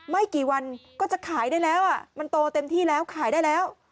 ไม่กี่วันก็จะขายได้แล้วมันโตเต็มที่แล้วขายได้แล้ว